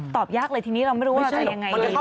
ตอบยากเลยทีนี้เราไม่รู้ว่าจะเป็นอย่างไรดี